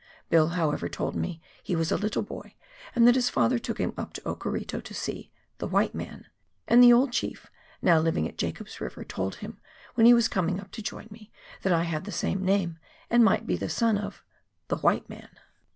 Bill, however, told me he was a little boy, and that his father took him up to Okarito to see " the white man," and the old chief, now Kving at Jacob's River, told him, when he was coming up to join me, that I had the same name, and might be the son of " the white man."